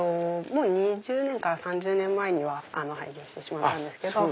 もう２０年から３０年前には廃業してしまったんですけど。